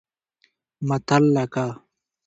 متل لکه